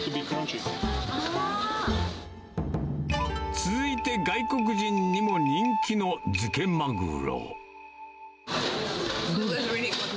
続いて外国人にも人気の漬けまぐろ。